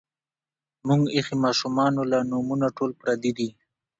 مونږ ایخي مـاشومـانو لـه نومـونه ټول پردي دي